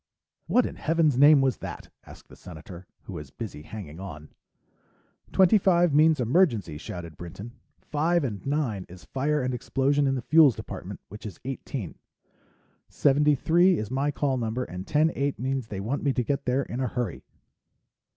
"What in Heaven's name was that?" asked the Senator, who was busy hanging on. "Twenty five means emergency," shouted Dr. Brinton. "Five and nine is fire and explosion in the Fuels Department, which is eighteen. Seventy three is my call number and ten eight means they want me to get there in a hurry."